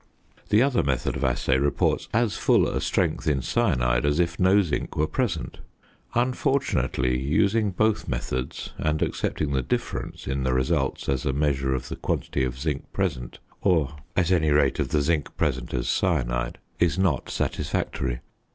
The other method of assay reports as full a strength in cyanide as if no zinc were present. Unfortunately, using both methods and accepting the difference in the results as a measure of the quantity of zinc present, or at any rate of the zinc present as cyanide, is not satisfactory.